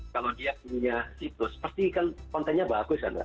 kalau dia punya situs pasti kan kontennya bagus ya mbak